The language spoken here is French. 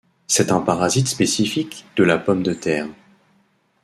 C'est un parasite spécifique de la pomme de terre.